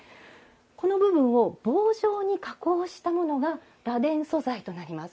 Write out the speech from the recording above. この部分を棒状に加工したものが螺鈿素材となります。